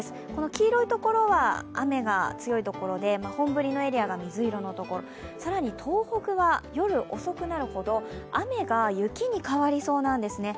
黄色いところは雨が強いところで本降りのエリアが水色の所、更に東北が夜遅くなるほど雨が雪に変わりそうなんですね。